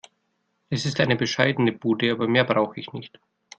Es ist eine bescheidene Bude, aber mehr brauche ich nicht.